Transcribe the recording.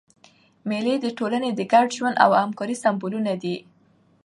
مېلې د ټولني د ګډ ژوند او همکارۍ سېمبولونه دي.